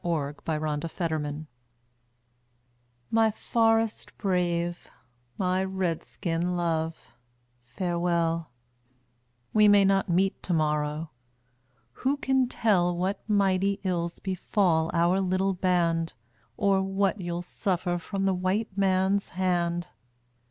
A CRY FROM AN INDIAN WIFE My forest brave, my Red skin love, farewell; We may not meet to morrow; who can tell What mighty ills befall our little band, Or what you'll suffer from the white man's hand?